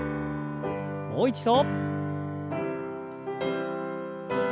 もう一度。